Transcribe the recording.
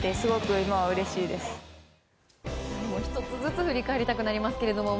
１つずつ振り返りたくなりますけど。